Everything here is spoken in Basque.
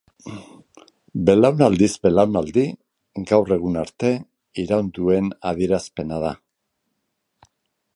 Belaunaldiz belaunaldi gaur egun arte iraun duen adierazpena da.